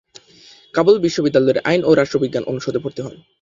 কাবুল বিশ্ববিদ্যালয়ের আইন ও রাষ্ট্রবিজ্ঞান অনুষদে ভর্তি হন।